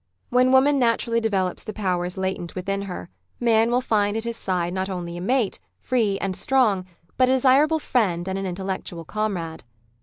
When woman naturally develops the powers latent within her, man will find at his side not only a mate, free and strong, but a desirable friend and an intel lectixal comrade.